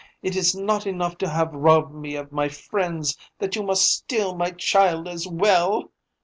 Is it not enough to have robbed me of my friends, that you must steal my child as well?